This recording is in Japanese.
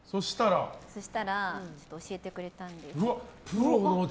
そしたら教えてくれたんです。